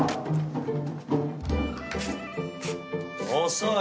遅い！